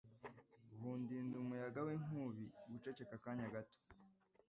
bundinda umuyaga w’inkubi» guceceka akanya gato